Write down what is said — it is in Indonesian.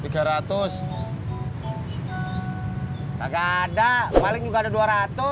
agak ada paling juga ada dua ratus